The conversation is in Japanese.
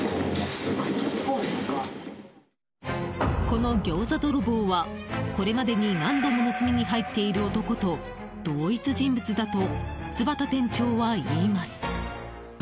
このギョーザ泥棒はこれまでに何度も盗みに入っている男と同一人物だと津幡店長は言います。